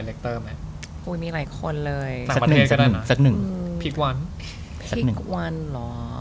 สักหนึ่งพีควันสักหนึ่งพีควันเหรอ